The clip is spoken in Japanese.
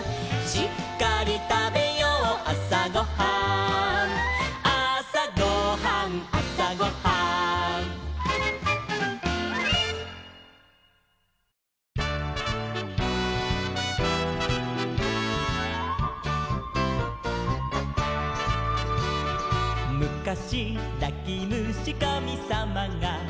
「しっかりたべようあさごはん」「あさごはんあさごはん」「むかしなきむしかみさまが」